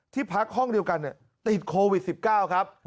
ที่พักห้องเดียวกันเนี่ยติดโควิด๑๙ครับ